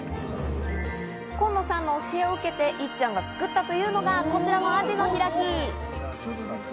コンノさんの教えを受けて、いっちゃんが作ったというのがこちらの『アジの開き』。